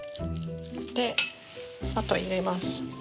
で砂糖入れます。